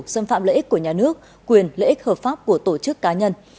xâm phạm lợi ích của nhà nước quyền lợi ích hợp pháp của tổ chức cá nhân